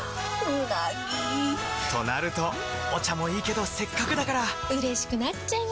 うなぎ！となるとお茶もいいけどせっかくだからうれしくなっちゃいますか！